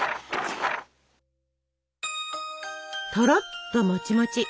とろっともちもち！